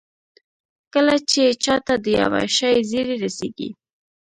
کله چې چا ته د يوه شي زېری رسېږي.